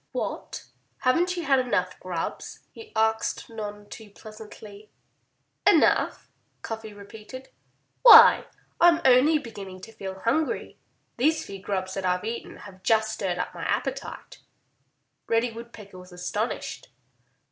"What! Haven't you had enough grubs?" he asked none too pleasantly. "Enough!" Cuffy repeated. "Why, I'm only beginning to feel hungry. These few grubs that I've eaten have just stirred up my appetite."' Reddy Woodpecker was astonished.